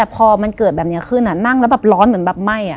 พอมันเกิดแบบนี้ขึ้นนั่งแล้วแบบร้อนเหมือนแบบไหม้